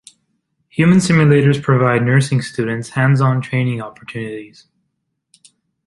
Human simulators provide nursing students hands-on training opportunities.